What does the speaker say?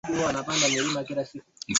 Mwanamke hufanya kazi ya nyumba.